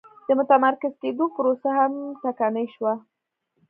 د متمرکز کېدو پروسه هم ټکنۍ شوه.